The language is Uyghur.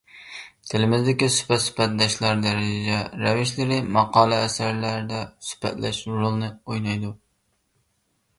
تىلىمىزدىكى سۈپەت، سۈپەتداشلار، دەرىجە رەۋىشلىرى ماقالە-ئەسەرلەردە سۈپەتلەش رولىنى ئوينايدۇ.